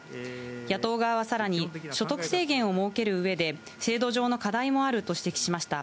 野党側はさらに、所得制限を設けるうえで、制度上の課題もあると指摘しました。